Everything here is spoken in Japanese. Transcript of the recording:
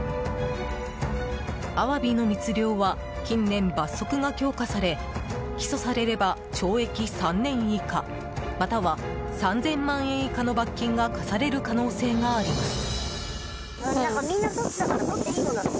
アワビの密漁は近年、罰則が強化され起訴されれば懲役３年以下または３０００万円以下の罰金が科される可能性があります。